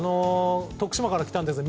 徳島から来たんです。